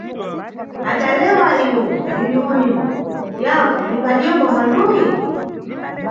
Adalewa iwo, ndiribwino, avu, ningadyembo manduyi?